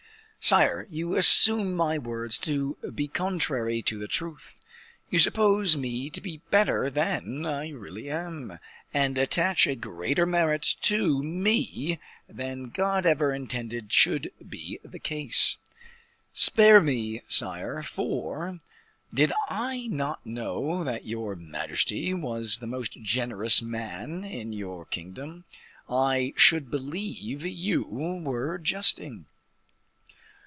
"Sire, you assume my words to be contrary to the truth; you suppose me to be better than I really am, and attach a greater merit to me than God ever intended should be the case. Spare me, sire; for, did I not know that your majesty was the most generous man in your kingdom, I should believe you were jesting."